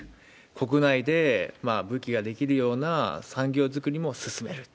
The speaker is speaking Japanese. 国内で武器が出来るような産業作りも進めると。